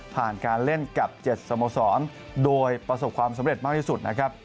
ผ่านการเล่นกับเจ็ดสมสรรค์โดยประสบความสำเร็จมากที่สุดนะครับ